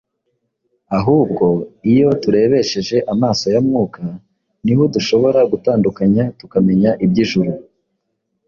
ahubwo iyo turebesheje amaso ya Mwuka ni ho dushobora gutandukanya tukamenya iby’ijuru.